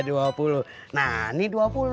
nah ini dua puluh